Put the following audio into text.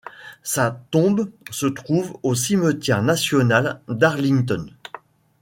Sa tombe se trouve au cimetière national d'Arlington.